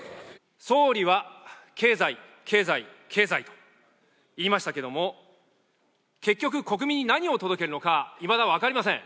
総理は経済、経済、経済と言いましたけども、結局、国民に何を届けるのか、いまだ分かりません。